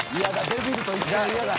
デビルと一緒は嫌だ。